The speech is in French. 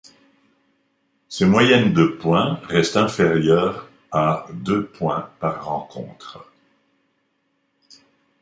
Ses moyennes de points restent inférieures à deux ponts par rencontre.